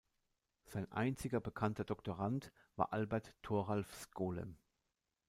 Sein einziger bekannter Doktorand war Albert Thoralf Skolem.